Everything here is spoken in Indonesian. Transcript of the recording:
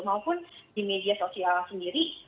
maupun di media sosial sendiri